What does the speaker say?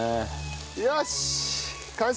よし完成！